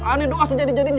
aneh doa sejadi jadi